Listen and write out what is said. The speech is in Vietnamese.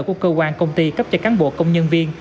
của cơ quan công ty cấp cho cán bộ công nhân viên